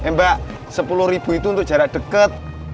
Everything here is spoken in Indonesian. mbak sepuluh ribu itu untuk jarak dekat